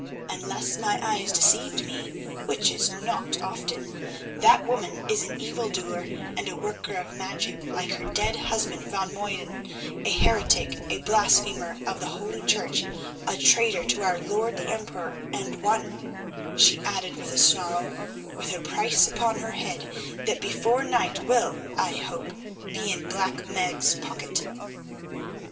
Unless my eyes deceived me, which is not often, that woman is an evil doer and a worker of magic like her dead husband Van Muyden; a heretic, a blasphemer of the Holy Church, a traitor to our Lord the Emperor, and one," she added with a snarl, "with a price upon her head that before night will, I hope, be in Black Meg's pocket."